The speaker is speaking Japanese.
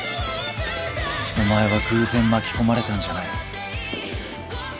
お前は偶然巻き込まれたんじゃない。